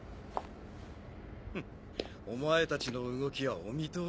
フッお前たちの動きはお見通しだ。